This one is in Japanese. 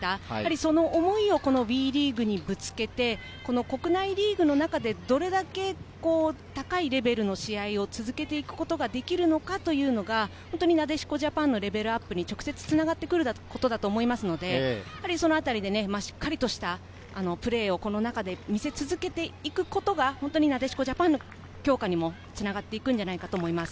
その思いをＷＥリーグにぶつけて、国内リーグの中でどれだけ高いレベルの試合を続けていくことができるのかということがなでしこジャパンのレベルアップに直接つながってくることだと思いますので、そのあたりで、しっかりとしたプレーを見せ続けていくことがなでしこジャパンの強化にもつながっていくのではないかと思います。